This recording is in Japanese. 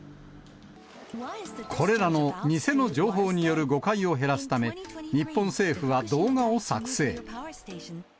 これらの偽の情報による誤解を減らすため、日本政府は動画を作成。